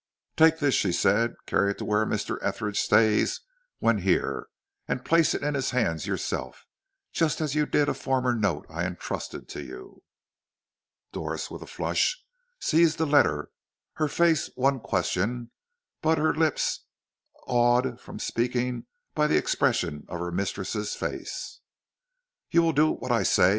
"Take this," she said; "carry it to where Mr. Etheridge stays when here, and place it in his hands yourself, just as you did a former note I entrusted to you." Doris, with a flush, seized the letter, her face one question, but her lips awed from speaking by the expression of her mistress' face. "You will do what I say?"